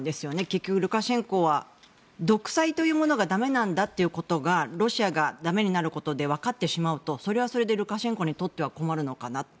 結局、ルカシェンコは独裁というものがだめなんだということがロシアがだめになることで分かってしまうとそれはそれでルカシェンコにとっては困るのかなと。